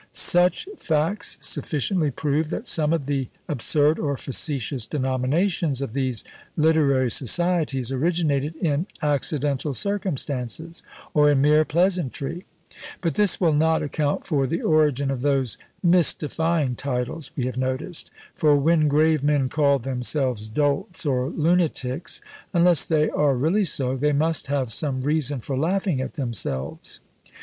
Such facts sufficiently prove that some of the absurd or facetious denominations of these literary societies originated in accidental circumstances or in mere pleasantry; but this will not account for the origin of those mystifying titles we have noticed; for when grave men call themselves dolts or lunatics, unless they are really so, they must have some reason for laughing at themselves.